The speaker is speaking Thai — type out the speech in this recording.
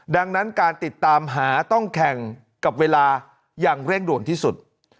ดังนั้นการติดตามหาต้องแข่งกับเวลาอย่างเร่งด่วนที่สุด